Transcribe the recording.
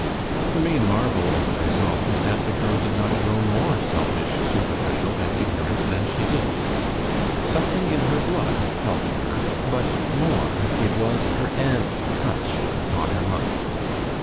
The main marvel in the result was that the girl did not grow more selfish, superficial, and ignorant than she did. Something in her blood helped her, but more, it was her aunt's touch upon her life.